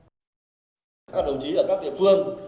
các đồng chí ở các địa phương